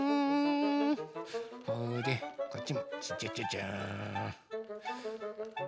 これでこっちもチャチャチャチャーン。